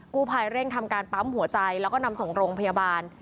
กู้ภัยเร่งทำการปั๊มหัวใจแล้วก็นำส่งโรงพยาบาล